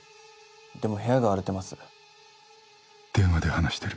でも部屋が荒れてます。